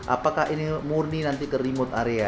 apakah ini murni nanti ke remote area